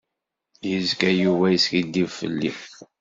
Yezga Yuba yeskidib fell-i.